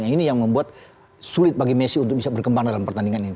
ini yang membuat sulit bagi messi untuk bisa berkembang dalam pertandingan ini